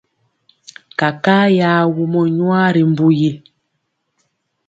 Kakaa ya wumɔ nwaa ri mbu yi.